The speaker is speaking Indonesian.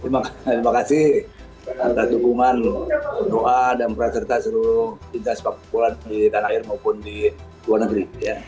terima kasih atas dukungan doa dan perserta seluruh pindah sepak bola di tanah air maupun di tuhan negeri